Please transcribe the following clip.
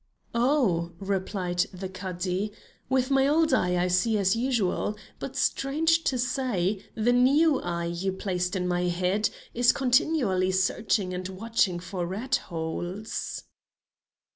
"Oh," replied the Cadi, "with my old eye I see as usual, but strange to say, the new eye you placed in my head is continually searching and watching for rat holes."